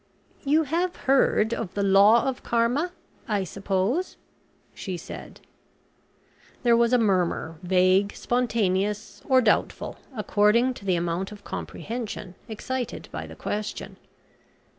"You have heard of the law of Karma, I suppose?" she said. There was a murmur, vague, spontaneous, or doubtful, according to the amount of comprehension excited by the question.